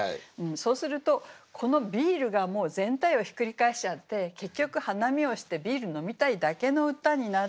そうするとこの「ビール」がもう全体をひっくり返しちゃって結局花見をしてビール飲みたいだけの歌になってしまってるんです。